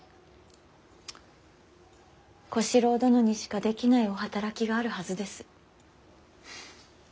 小四郎殿にしかできないお働きがあるはずです。